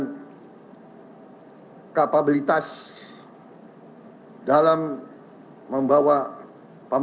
volatilétat kapabilitas dalam pemer isnat apenas sekali